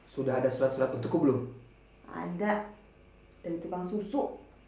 sudah ada surat surat untuk belum ada dan tepang susu